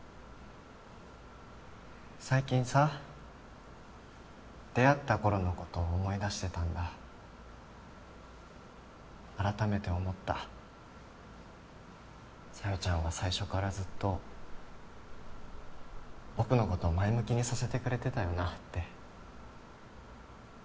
最近さ出会った頃のこと思い出してたんだ改めて思った小夜ちゃんは最初からずっと僕のこと前向きにさせてくれてたよなって